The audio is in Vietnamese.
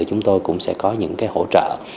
chúng tôi cũng sẽ có những hỗ trợ